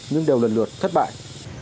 nhưng đều lần lượt thất bại